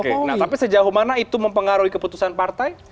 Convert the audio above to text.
oke nah tapi sejauh mana itu mempengaruhi keputusan partai